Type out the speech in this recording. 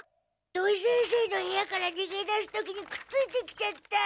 土井先生の部屋からにげ出す時にくっついてきちゃった。